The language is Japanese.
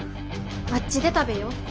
あっちで食べよう。